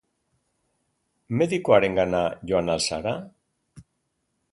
Medikuarengana joan al zara?